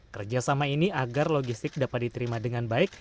kerjasama ini agar logistik dapat diterima dengan baik